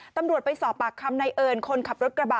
ตำรวจไปสอบปากคำในเอิญคนขับรถกระบะ